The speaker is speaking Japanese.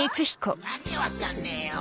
訳分かんねえよ。